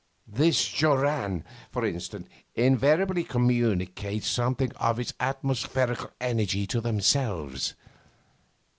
This joran, for instance, invariably communicates something of its atmospherical energy to themselves.